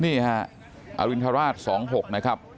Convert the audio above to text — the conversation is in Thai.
นี่ฮะอรินทราช๒๖นะครับ